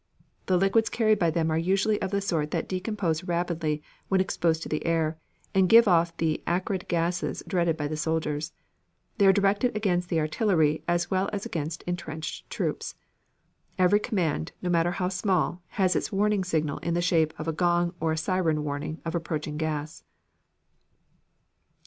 The liquids carried by them are usually of the sort that decompose rapidly when exposed to the air and give off the acrid gases dreaded by the soldiers. They are directed against the artillery as well as against intrenched troops. Every command, no matter how small, has its warning signal in the shape of a gong or a siren warning of approaching gas.